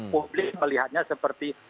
publik melihatnya seperti